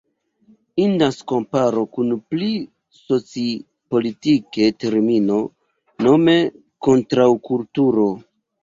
Indas komparo kun pli soci-politike termino, nome Kontraŭkulturo.